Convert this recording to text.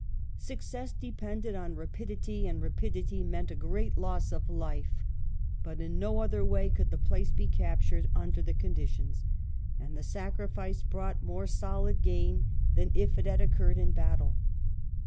Success depended on rapidity, and rapidity meant a great loss of life ; but in no other way could the place be captured under the conditions, and the sacrifice brought more solid gain than if it had occurred in battle.